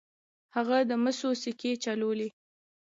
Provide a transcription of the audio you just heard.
هغه د مسو سکې چلولې.